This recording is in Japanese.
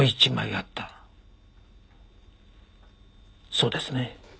そうですね？